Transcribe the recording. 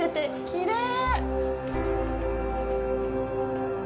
きれい。